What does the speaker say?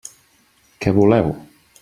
Què voleu?